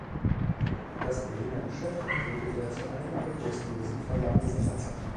Das Berliner Geschäft entwickelte er zu einem der größten Musikverlage seiner Zeit.